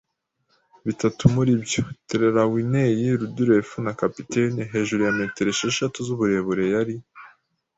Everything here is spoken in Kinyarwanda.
bitatu muri byo - Trelawney, Redruth, na capitaine - hejuru ya metero esheshatu z'uburebure, yari